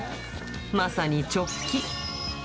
まさに直帰。